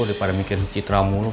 daripada mikirin citra mulu